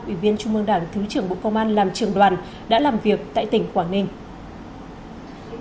ủy viên trung mương đảng thứ trưởng bộ công an làm trường đoàn đã làm việc tại tỉnh quảng ninh